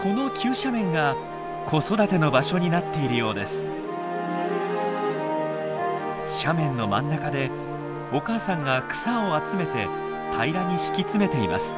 斜面の真ん中でお母さんが草を集めて平らに敷き詰めています。